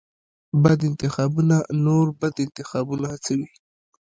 بد انتخابونه نور بد انتخابونه هڅوي.